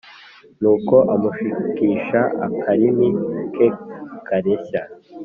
Nuko amushukisha akarimi ke kareshya